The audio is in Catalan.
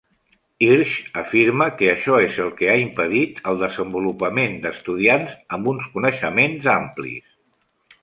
Hirsch afirma que això és el que ha impedit el desenvolupament d'estudiants amb uns coneixements amplis.